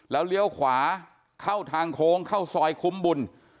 แล้วเลี้ยวขวาเข้าทางโค้งเข้าซอยคุ้มบุญ